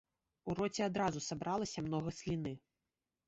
У роце адразу сабралася многа сліны.